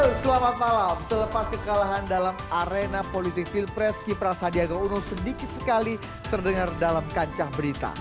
halo selamat malam selepas kekalahan dalam arena politik pilpres kipra sandiaga uno sedikit sekali terdengar dalam kancah berita